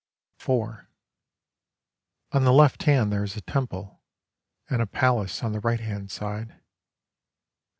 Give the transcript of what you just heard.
IV On the left hand there is a temple: And a palace on the right hand side.